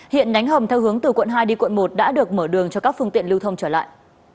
hiện nhánh hầm theo hướng từ quận hai đi quận một đã được mở đường cho các phương tiện lưu thông trở lại